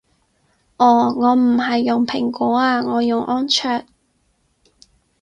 哦我唔係用蘋果啊我用安卓